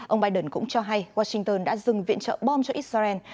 ông biden cũng cho hay washington đã dừng viện trợ bom cho israel